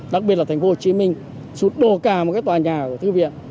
đặc biệt là thành phố hồ chí minh sụt đổ cả một cái tòa nhà của thư viện